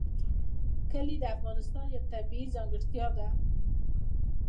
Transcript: کلي د افغانستان یوه طبیعي ځانګړتیا ده.